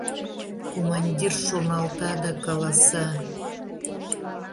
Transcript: Командир шоналта да каласа: